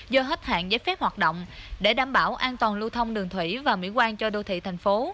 do hết hạn giấy phép hoạt động để đảm bảo an toàn lưu thông đường thủy và mỹ quan cho đô thị thành phố